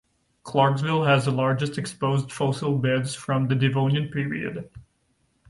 Clarksville has the largest exposed fossil beds from the Devonian period.